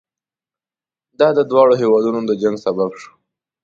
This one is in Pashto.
دا د دواړو هېوادونو د جنګ سبب شو.